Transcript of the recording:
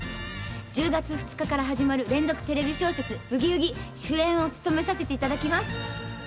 １０月２日から始まる連続テレビ小説「ブギウギ」主演を務めさせていただきます。